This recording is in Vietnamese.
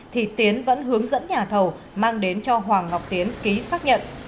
thì tiến vẫn hướng dẫn nhà thầu mang đến cho hoàng ngọc tiến ký xác nhận